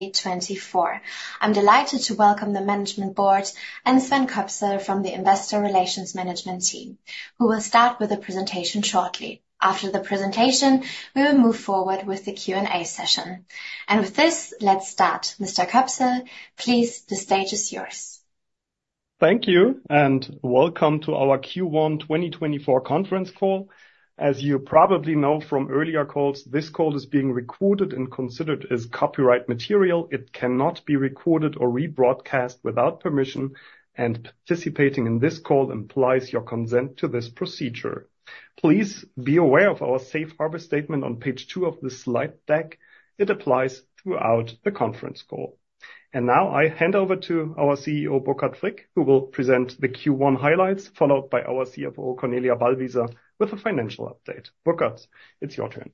2024. I'm delighted to welcome the Management Board and Sven Köpsel from the Investor Relations Management team, who will start with a presentation shortly. After the presentation, we will move forward with the Q&A session. With this, let's start. Mr. Köpsel, please, the stage is yours. Thank you, and welcome to our Q1 2024 conference call. As you probably know from earlier calls, this call is being recorded and considered as copyright material. It cannot be recorded or rebroadcast without permission, and participating in this call implies your consent to this procedure. Please be aware of our Safe Harbor statement on page two of the slide deck. It applies throughout the conference call. And now I hand over to our CEO, Burkhardt Frick, who will present the Q1 highlights, followed by our CFO, Cornelia Ballwießer, with a financial update. Burkhardt, it's your turn.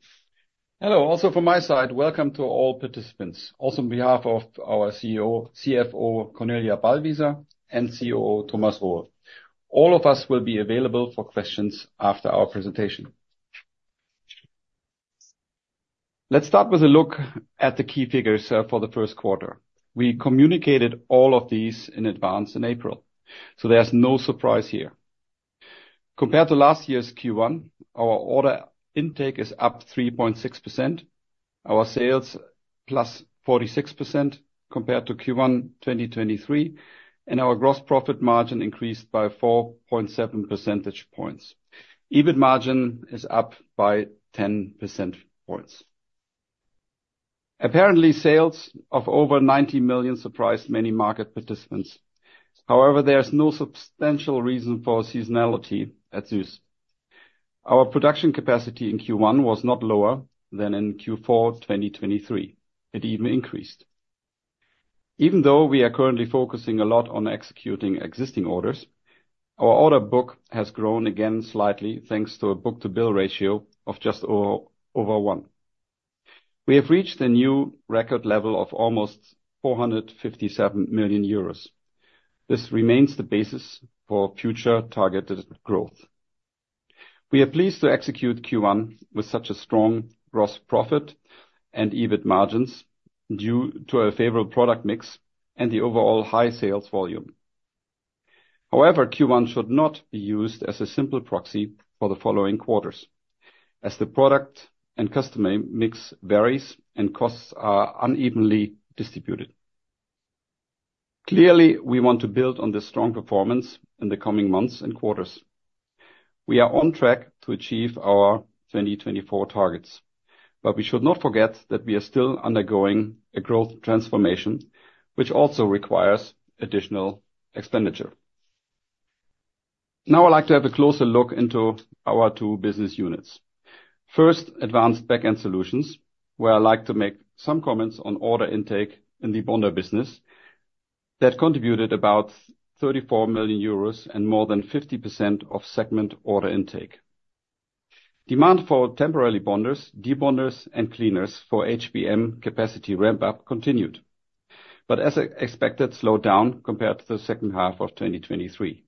Hello. Also, from my side, welcome to all participants, also on behalf of our CFO, Cornelia Ballwießer, and COO, Thomas Rohe. All of us will be available for questions after our presentation. Let's start with a look at the key figures for the first quarter. We communicated all of these in advance in April, so there's no surprise here. Compared to last year's Q1, our order intake is up 3.6%, our sales plus 46% compared to Q1 2023, and our gross profit margin increased by 4.7 percentage points. EBIT margin is up by 10 percentage points. Apparently, sales of over 90 million surprised many market participants. However, there's no substantial reason for seasonality at SUSS. Our production capacity in Q1 was not lower than in Q4 2023. It even increased. Even though we are currently focusing a lot on executing existing orders, our order book has grown again slightly thanks to a book-to-bill ratio of just over 1. We have reached a new record level of almost 457 million euros. This remains the basis for future targeted growth. We are pleased to execute Q1 with such a strong gross profit and EBIT margins due to a favorable product mix and the overall high sales volume. However, Q1 should not be used as a simple proxy for the following quarters, as the product and customer mix varies and costs are unevenly distributed. Clearly, we want to build on this strong performance in the coming months and quarters. We are on track to achieve our 2024 targets, but we should not forget that we are still undergoing a growth transformation, which also requires additional expenditure. Now I'd like to have a closer look into our two business units. First, Advanced Backend Solutions, where I'd like to make some comments on order intake in the bonder business that contributed about 34 million euros and more than 50% of segment order intake. Demand for temporary bonders, debonders, and cleaners for HBM capacity ramp-up continued, but as expected, slowed down compared to the second half of 2023.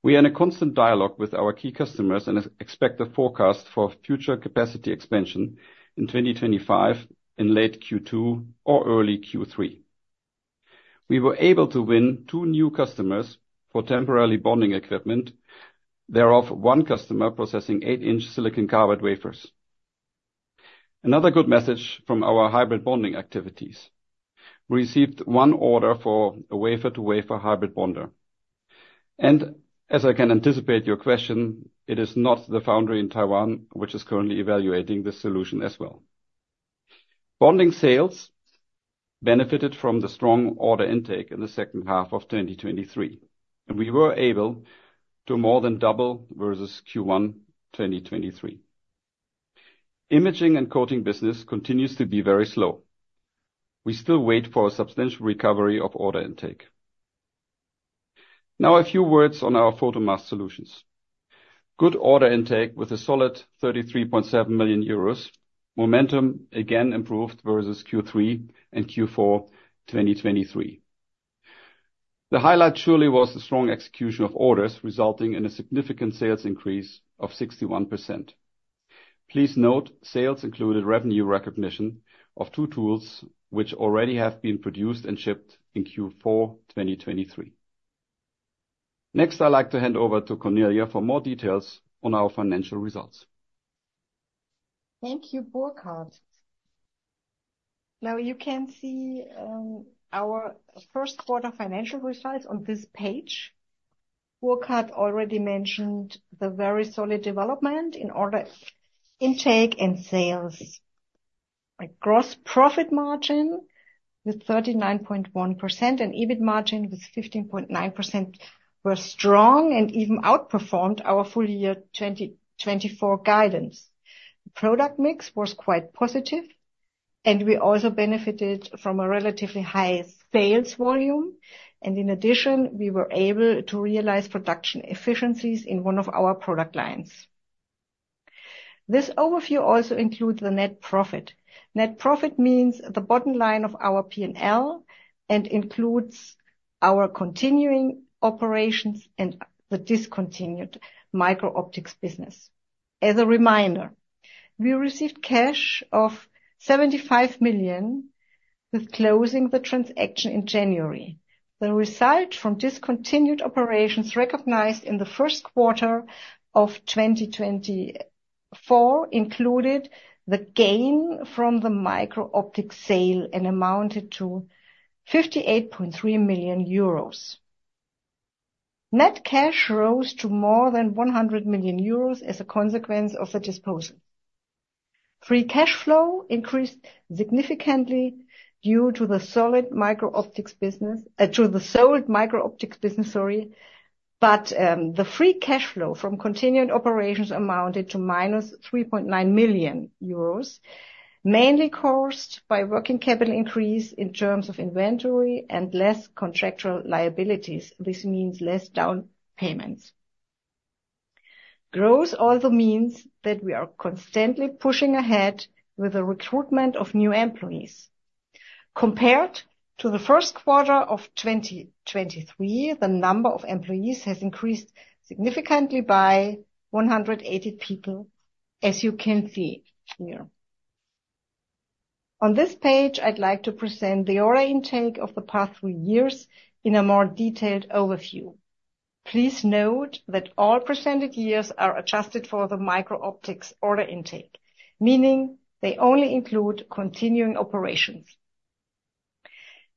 We are in a constant dialogue with our key customers and expect a forecast for future capacity expansion in 2025 in late Q2 or early Q3. We were able to win two new customers for temporary bonding equipment, thereof one customer processing 8 in silicon carbide wafers. Another good message from our hybrid bonding activities: we received one order for a wafer-to-wafer hybrid bonder. As I can anticipate your question, it is not the foundry in Taiwan which is currently evaluating the solution as well. Bonding sales benefited from the strong order intake in the second half of 2023, and we were able to more than double versus Q1 2023. Imaging and coating business continues to be very slow. We still wait for a substantial recovery of order intake. Now a few words on our Photomask Solutions. Good order intake with a solid 33.7 million euros. Momentum again improved versus Q3 and Q4 2023. The highlight surely was the strong execution of orders resulting in a significant sales increase of 61%. Please note, sales included revenue recognition of two tools which already have been produced and shipped in Q4 2023. Next, I'd like to hand over to Cornelia for more details on our financial results. Thank you, Burkhardt. Now, you can see our first quarter financial results on this page. Burkhardt already mentioned the very solid development in order intake and sales. Gross profit margin with 39.1% and EBIT margin with 15.9% were strong and even outperformed our full year 2024 guidance. Product mix was quite positive, and we also benefited from a relatively high sales volume. In addition, we were able to realize production efficiencies in one of our product lines. This overview also includes the net profit. Net profit means the bottom line of our P&L and includes our continuing operations and the discontinued MicroOptics business. As a reminder, we received cash of 75 million with closing the transaction in January. The result from discontinued operations recognized in the first quarter of 2024 included the gain from the MicroOptics sale and amounted to 58.3 million euros. Net cash rose to more than 100 million euros as a consequence of the disposal. Free cash flow increased significantly due to the solid MicroOptics business, sorry, but the free cash flow from continuing operations amounted to minus 3.9 million euros, mainly caused by working capital increase in terms of inventory and less contractual liabilities. This means less down payments. Growth also means that we are constantly pushing ahead with the recruitment of new employees. Compared to the first quarter of 2023, the number of employees has increased significantly by 180 people, as you can see here. On this page, I'd like to present the order intake of the past three years in a more detailed overview. Please note that all presented years are adjusted for the MicroOptics order intake, meaning they only include continuing operations.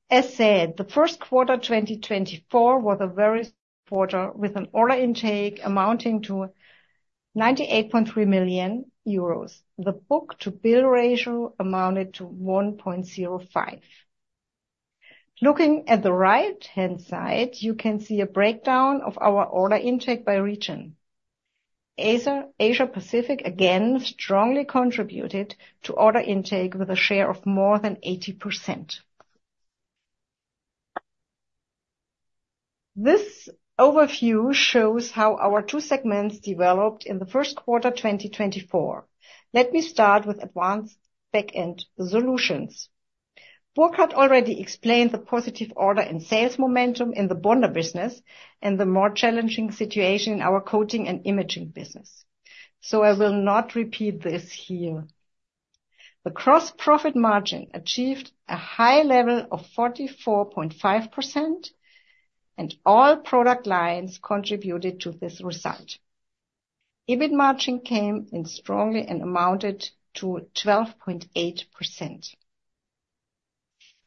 As said, the first quarter 2024 was a very strong quarter with an order intake amounting to 98.3 million euros. The book-to-bill ratio amounted to 1.05. Looking at the right-hand side, you can see a breakdown of our order intake by region. Asia Pacific again strongly contributed to order intake with a share of more than 80%. This overview shows how our two segments developed in the first quarter 2024. Let me start with Advanced Backend Solutions. Burkhardt already explained the positive order and sales momentum in the bonder business and the more challenging situation in our coating and imaging business, so I will not repeat this here. The gross profit margin achieved a high level of 44.5%, and all product lines contributed to this result. EBIT margin came in strongly and amounted to 12.8%.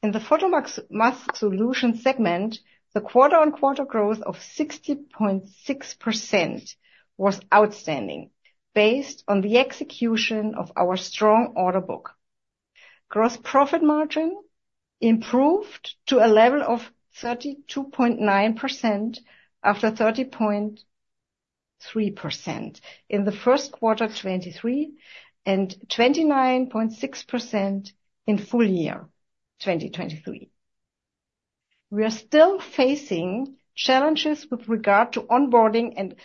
In the Photomask Solutions segment, the quarter-on-quarter growth of 60.6% was outstanding based on the execution of our strong order book. Gross profit margin improved to a level of 32.9% after 30.3% in the first quarter 2023 and 29.6% in full year 2023. We are still facing challenges with regard to onboarding and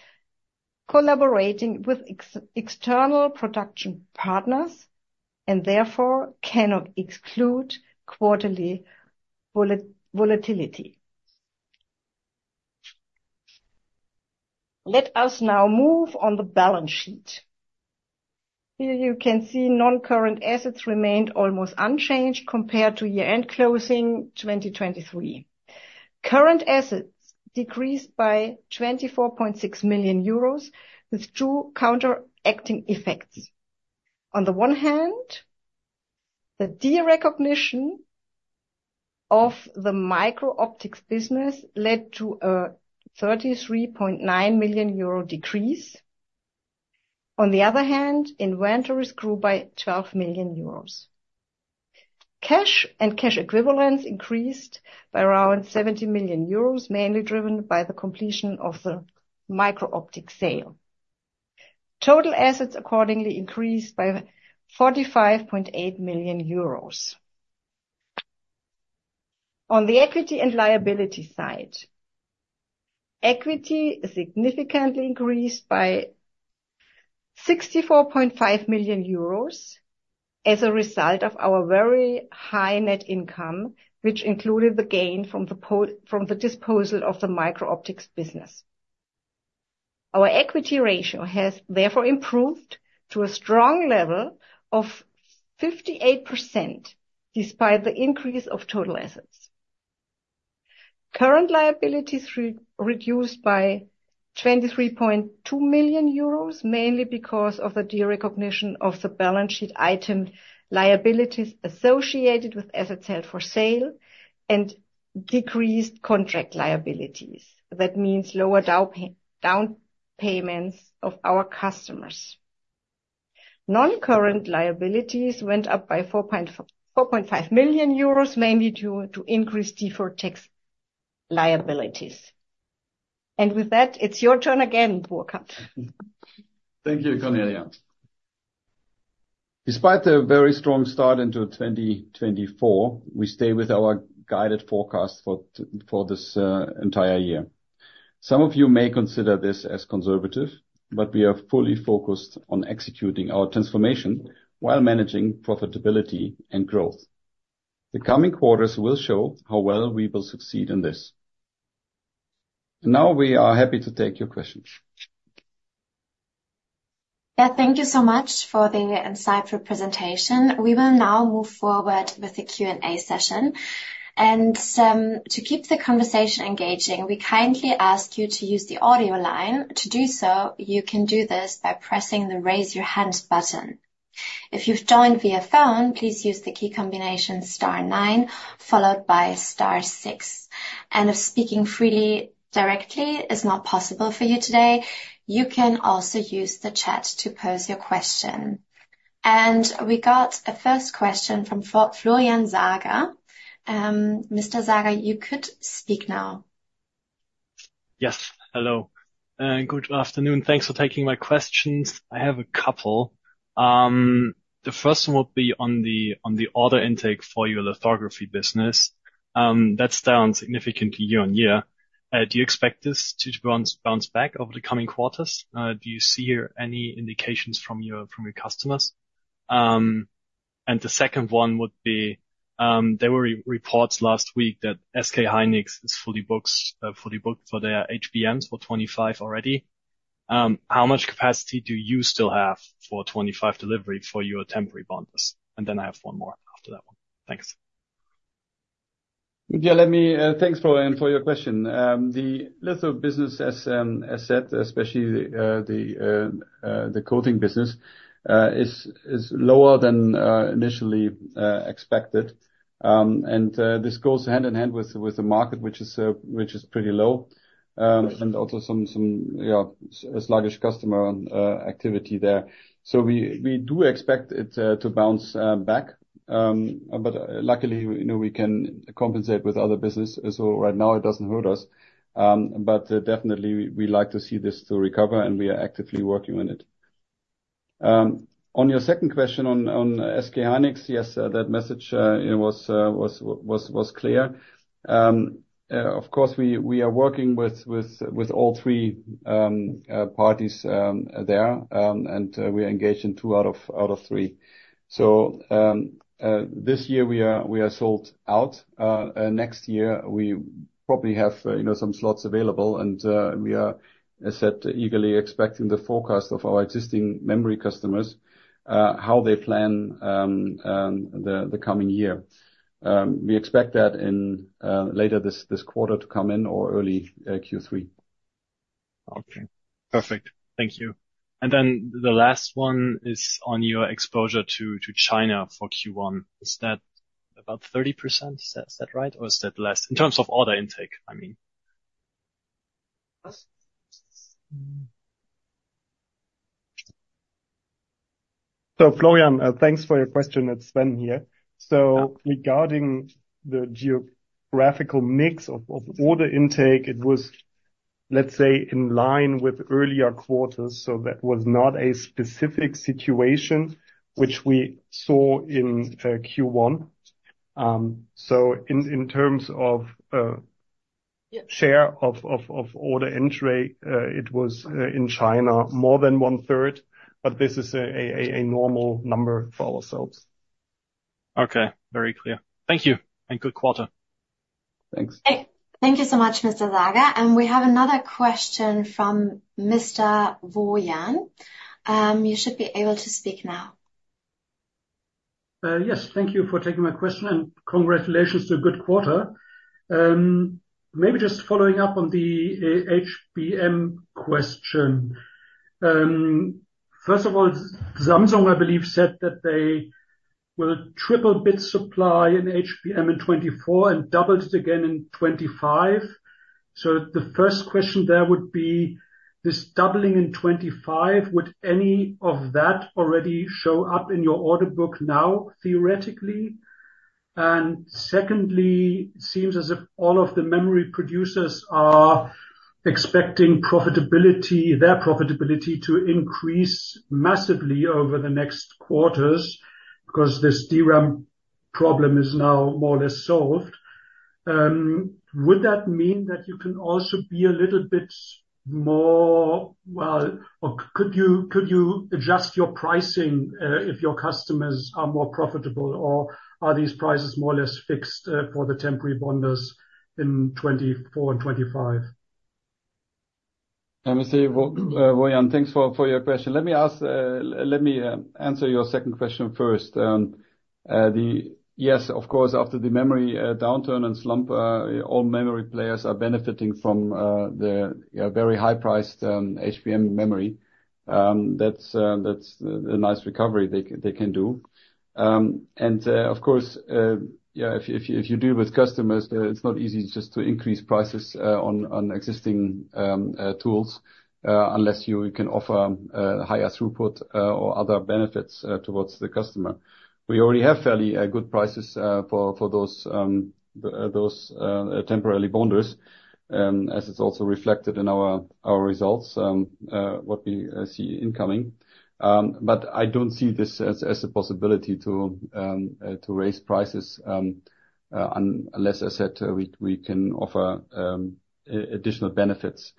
collaborating with external production partners and therefore cannot exclude quarterly volatility. Let us now move on the balance sheet. Here you can see non-current assets remained almost unchanged compared to year-end closing 2023. Current assets decreased by 24.6 million euros with two counteracting effects. On the one hand, the de-recognition of the MicroOptics business led to a 33.9 million euro decrease. On the other hand, inventories grew by 12 million euros. Cash and cash equivalents increased by around 70 million euros, mainly driven by the completion of the MicroOptics sale. Total assets accordingly increased by EUR 45.8 million. On the equity and liability side, equity significantly increased by 64.5 million euros as a result of our very high net income, which included the gain from the disposal of the MicroOptics business. Our equity ratio has therefore improved to a strong level of 58% despite the increase of total assets. Current liabilities reduced by 23.2 million euros, mainly because of the derecognition of the balance sheet item Liabilities associated with assets held for sale and decreased contract liabilities. That means lower down payments of our customers. Non-current liabilities went up by 4.5 million euros, mainly to increase deferred tax liabilities. With that, it's your turn again, Burkhardt. Thank you, Cornelia. Despite a very strong start into 2024, we stay with our guided forecast for this entire year. Some of you may consider this as conservative, but we are fully focused on executing our transformation while managing profitability and growth. The coming quarters will show how well we will succeed in this. Now we are happy to take your questions. Yeah, thank you so much for the insightful presentation. We will now move forward with the Q&A session. And to keep the conversation engaging, we kindly ask you to use the audio line. To do so, you can do this by pressing the raise your hand button. If you've joined via phone, please use the key combination star nine followed by star six. And if speaking freely directly is not possible for you today, you can also use the chat to pose your question. And we got a first question from Florian Sager. Mr. Sager, you could speak now. Yes. Hello. Good afternoon. Thanks for taking my questions. I have a couple. The first one would be on the order intake for your lithography business. That's down significantly year-over-year. Do you expect this to bounce back over the coming quarters? Do you see here any indications from your customers? And the second one would be there were reports last week that SK hynix is fully booked for their HBMs for 2025 already. How much capacity do you still have for 2025 delivery for your temporary bonders? And then I have one more after that one. Thanks. Yeah, thanks, Florian, for your question. The litho business, as said, especially the coating business, is lower than initially expected. And this goes hand in hand with the market, which is pretty low and also some sluggish customer activity there. So we do expect it to bounce back. But luckily, we can compensate with other business. So right now, it doesn't hurt us. But definitely, we'd like to see this to recover, and we are actively working on it. On your second question on SK hynix, yes, that message was clear. Of course, we are working with all three parties there, and we are engaged in two out of three. So this year, we are sold out. Next year, we probably have some slots available. And we are, as said, eagerly expecting the forecast of our existing memory customers, how they plan the coming year. We expect that later this quarter to come in or early Q3. Okay. Perfect. Thank you. The last one is on your exposure to China for Q1. Is that about 30%? Is that right? Or is that less? In terms of order intake, I mean. So Florian, thanks for your question. It's Sven here. So regarding the geographical mix of order intake, it was, let's say, in line with earlier quarters. So that was not a specific situation which we saw in Q1. So in terms of share of order entry, it was in China, more than one-third. But this is a normal number for ourselves. Okay. Very clear. Thank you. And good quarter. Thanks. Thank you so much, Mr. Sager. We have another question from Mr. Vooyan. You should be able to speak now. Yes. Thank you for taking my question, and congratulations to a good quarter. Maybe just following up on the HBM question. First of all, Samsung, I believe, said that they will triple terabit supply in HBM in 2024 and double it again in 2025. So the first question there would be, this doubling in 2025, would any of that already show up in your order book now, theoretically? And secondly, it seems as if all of the memory producers are expecting their profitability to increase massively over the next quarters because this DRAM problem is now more or less solved. Would that mean that you can also be a little bit more well, or could you adjust your pricing if your customers are more profitable, or are these prices more or less fixed for the temporary bonders in 2024 and 2025? Let me see, Mr. Vooyan. Thanks for your question. Let me answer your second question first. Yes, of course, after the memory downturn and slump, all memory players are benefiting from the very high-priced HBM memory. That's a nice recovery they can do. And of course, if you deal with customers, it's not easy just to increase prices on existing tools unless you can offer higher throughput or other benefits towards the customer. We already have fairly good prices for those temporary bonders, as it's also reflected in our results, what we see incoming. But I don't see this as a possibility to raise prices unless, as said, we can offer additional benefits.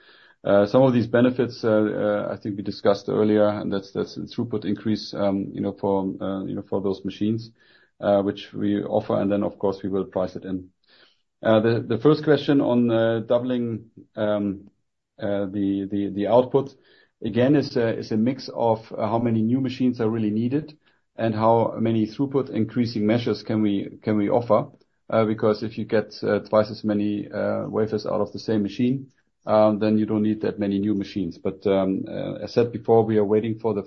Some of these benefits, I think we discussed earlier, and that's the throughput increase for those machines which we offer, and then, of course, we will price it in. The first question on doubling the output, again, is a mix of how many new machines are really needed and how many throughput-increasing measures can we offer because if you get twice as many wafers out of the same machine, then you don't need that many new machines. But as said before, we are waiting for the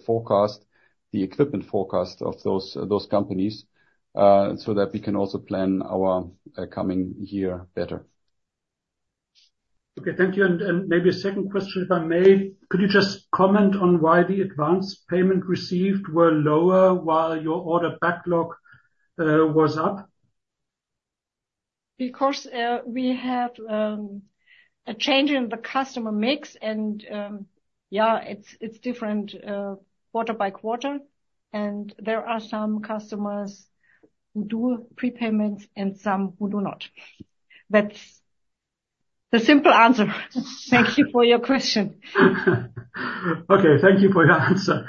equipment forecast of those companies so that we can also plan our coming year better. Okay. Thank you. And maybe a second question, if I may. Could you just comment on why the advance payment received were lower while your order backlog was up? Because we have a change in the customer mix, and yeah, it's different quarter by quarter. There are some customers who do prepayments and some who do not. That's the simple answer. Thank you for your question. Okay. Thank you for your answer.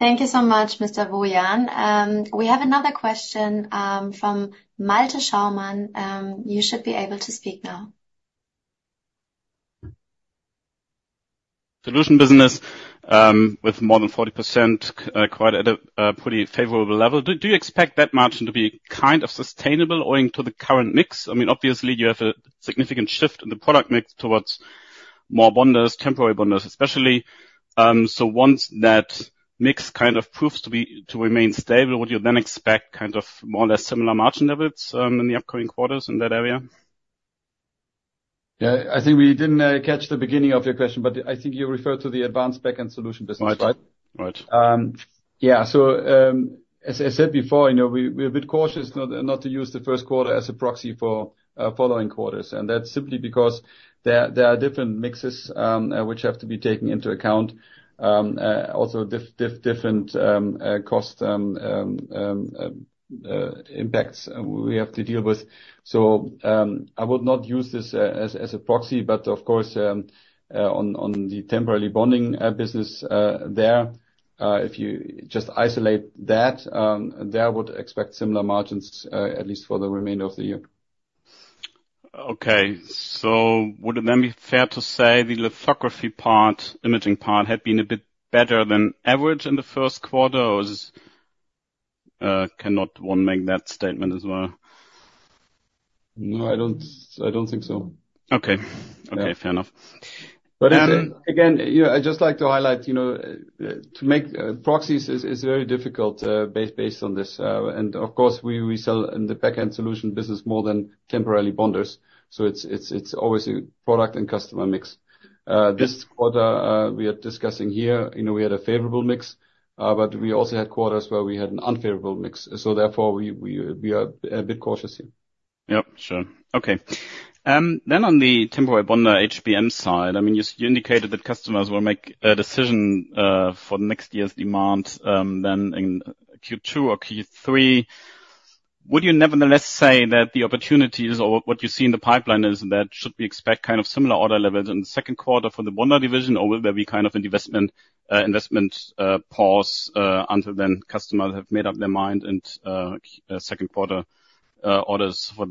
Thank you so much, Mr. Vooyan. We have another question from Malte Schaumann. You should be able to speak now. Solutions business with more than 40% quite at a pretty favorable level. Do you expect that margin to be kind of sustainable owing to the current mix? I mean, obviously, you have a significant shift in the product mix towards more temporary bonders, especially. So once that mix kind of proves to remain stable, would you then expect kind of more or less similar margin levels in the upcoming quarters in that area? Yeah. I think we didn't catch the beginning of your question, but I think you referred to the Advanced Backend Solutions business, right? Right. Right. Yeah. So as I said before, we're a bit cautious not to use the first quarter as a proxy for following quarters. That's simply because there are different mixes which have to be taken into account, also different cost impacts we have to deal with. I would not use this as a proxy, but of course, on the temporary bonding business there, if you just isolate that, there I would expect similar margins, at least for the remainder of the year. Okay. So would it then be fair to say the lithography part, imaging part, had been a bit better than average in the first quarter, or cannot one make that statement as well? No, I don't think so. Okay. Okay. Fair enough. Again, I'd just like to highlight to make proxies is very difficult based on this. Of course, we sell in the backend solution business more than temporary bonders. It's always a product and customer mix. This quarter we are discussing here, we had a favorable mix, but we also had quarters where we had an unfavorable mix. Therefore, we are a bit cautious here. Yep. Sure. Okay. Then on the temporary bonder HBM side, I mean, you indicated that customers will make a decision for next year's demand then in Q2 or Q3. Would you nevertheless say that the opportunities or what you see in the pipeline is that should we expect kind of similar order levels in the second quarter for the bonder division, or will there be kind of an investment pause until then customers have made up their mind and second-quarter orders for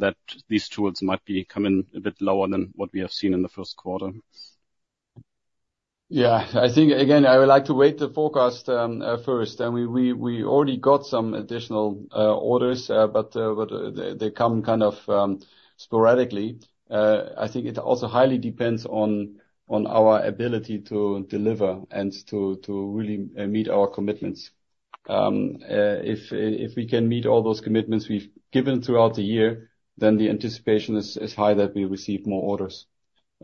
these tools might come in a bit lower than what we have seen in the first quarter? Yeah. I think, again, I would like to wait the forecast first. And we already got some additional orders, but they come kind of sporadically. I think it also highly depends on our ability to deliver and to really meet our commitments. If we can meet all those commitments we've given throughout the year, then the anticipation is high that we receive more orders.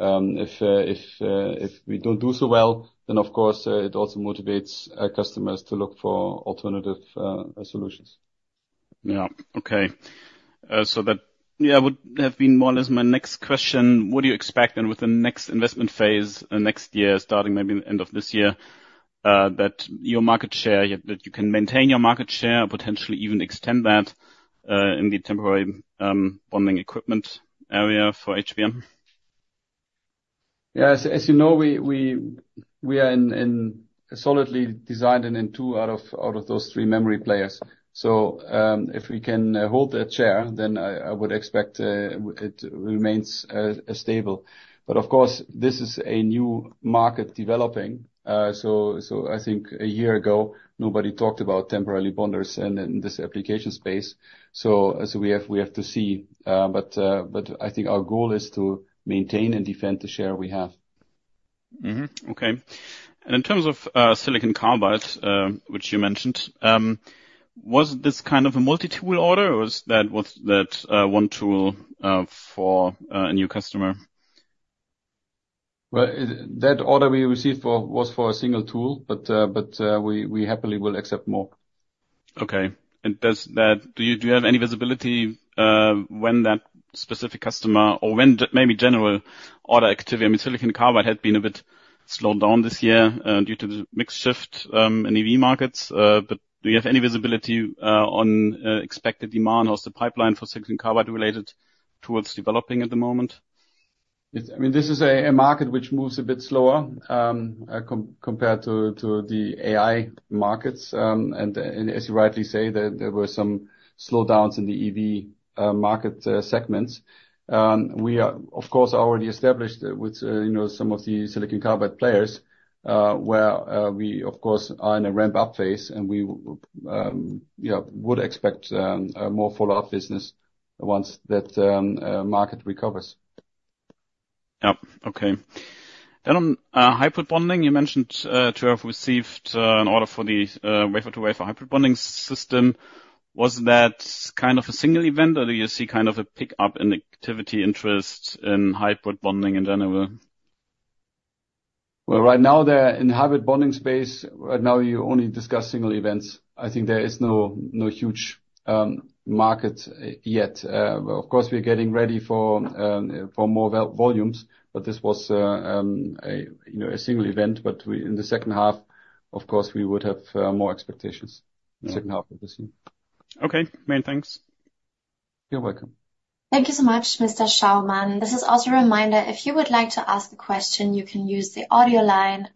If we don't do so well, then, of course, it also motivates customers to look for alternative solutions. Yeah. Okay. So that, yeah, would have been more or less my next question. What do you expect then with the next investment phase next year, starting maybe the end of this year, that your market share that you can maintain your market share, potentially even extend that in the temporary bonding equipment area for HBM? Yeah. As you know, we are solidly designed and in two out of those three memory players. So if we can hold that share, then I would expect it remains stable. But of course, this is a new market developing. So I think a year ago, nobody talked about temporary bonders in this application space. So we have to see. But I think our goal is to maintain and defend the share we have. Okay. In terms of silicon carbide, which you mentioned, was this kind of a multi-tool order, or was that one tool for a new customer? Well, that order we received was for a single tool, but we happily will accept more. Okay. And do you have any visibility when that specific customer or when maybe general order activity I mean, silicon carbide had been a bit slowed down this year due to the mixed shift in EV markets? But do you have any visibility on expected demand? How's the pipeline for silicon carbide-related tools developing at the moment? I mean, this is a market which moves a bit slower compared to the AI markets. As you rightly say, there were some slowdowns in the EV market segments. Of course, I already established with some of the silicon carbide players where we, of course, are in a ramp-up phase, and we would expect more follow-up business once that market recovers. Yep. Okay. Then on hybrid bonding, you mentioned to have received an order for the wafer-to-wafer hybrid bonding system. Was that kind of a single event, or do you see kind of a pickup in activity, interest in hybrid bonding in general? Well, right now, in the hybrid bonding space, right now, you only discuss single events. I think there is no huge market yet. Of course, we are getting ready for more volumes, but this was a single event. But in the second half, of course, we would have more expectations, second half of this year. Okay. More thanks. You're welcome. Thank you so much, Mr. Schaumann. This is also a reminder, if you would like to ask a question, you can use the audio line.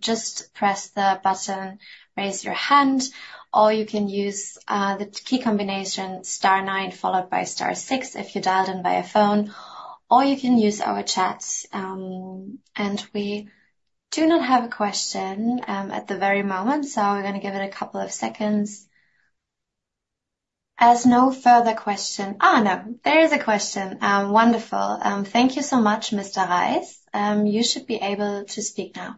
Just press the button, raise your hand, or you can use the key combination star nine followed by star six if you dialed in via phone, or you can use our chats. And we do not have a question at the very moment, so we're going to give it a couple of seconds. As no further question. Oh, no. There is a question. Wonderful. Thank you so much, Mr. Reiss. You should be able to speak now.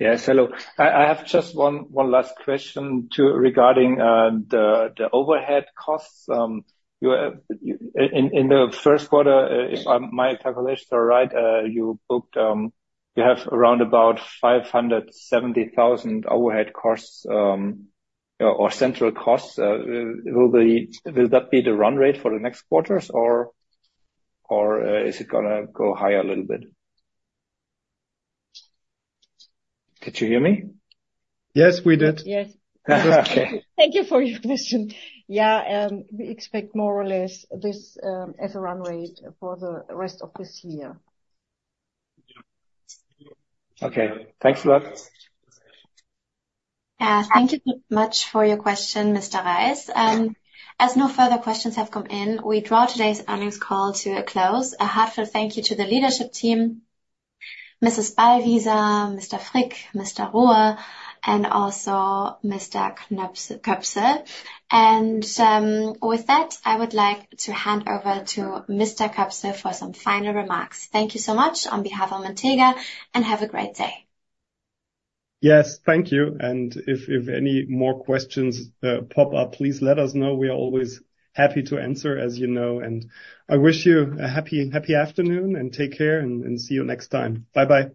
Yes. Hello. I have just one last question regarding the overhead costs. In the first quarter, if my calculations are right, you have around about 570,000 overhead costs or central costs. Will that be the run rate for the next quarters, or is it going to go higher a little bit? Did you hear me? Yes, we did. Yes. Thank you for your question. Yeah. We expect more or less this as a run rate for the rest of this year. Okay. Thanks a lot. Thank you so much for your question, Mr. Reiss. As no further questions have come in, we draw today's earnings call to a close. A heartfelt thank you to the leadership team, Mrs. Ballwießer, Mr. Frick, Mr. Rohe, and also Mr. Köpsel. And with that, I would like to hand over to Mr. Köpsel for some final remarks. Thank you so much on behalf of Montega, and have a great day. Yes. Thank you. And if any more questions pop up, please let us know. We are always happy to answer, as you know. And I wish you a happy afternoon and take care, and see you next time. Bye-bye.